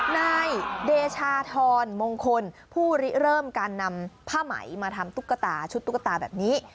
นายเดชาธรมงคลผู้ริเริ่มการนำผ้าไหมมาทำตุ๊กตาชุดตุ๊กตาแบบนี้